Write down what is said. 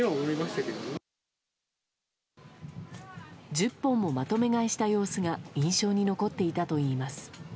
１０本もまとめ買いした様子が印象に残っていたといいます。